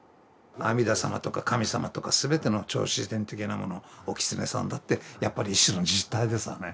阿弥陀様とか神様とかすべての超自然的なものをお狐さんだってやっぱり一種の実体ですわね。